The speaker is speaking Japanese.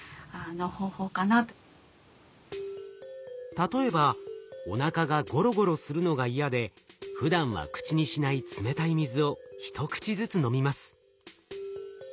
例えばおなかがゴロゴロするのが嫌でふだんは口にしない冷たい水を一口ずつ飲みます。